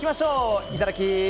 いただき！